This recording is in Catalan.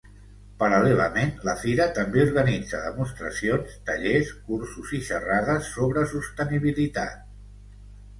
Paral·lelament, la fira també organitza demostracions, tallers, cursos i xerrades sobre sostenibilitat.